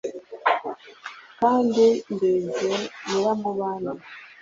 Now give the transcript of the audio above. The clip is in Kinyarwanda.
kandi ndenze nyiramubande